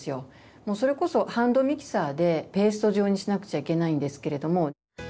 もうそれこそハンドミキサーでペースト状にしなくちゃいけないんですけれども。